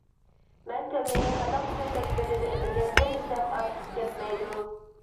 مەن تىلنى خەلق چۆچەكلىرىدىن ئۆگەندىم دېسەم ئارتۇق كەتمەيدۇ.